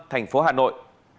thành phố hà nội